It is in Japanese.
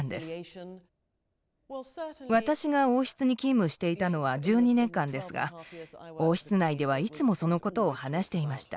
私が王室に勤務していたのは１２年間ですが王室内ではいつもそのことを話していました。